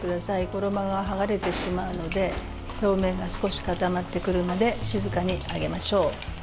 衣が剥がれてしまうので表面が少し固まってくるまで静かに揚げましょう。